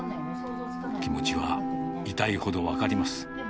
気持ちは痛いほど分かります。